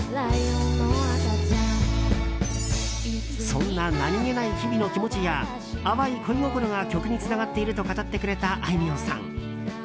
そんな何気ない日々の気持ちや淡い恋心が曲につながっていると語ってくれたあいみょんさん。